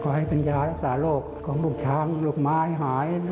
ให้เป็นยารักษาโรคของลูกช้างลูกไม้หาย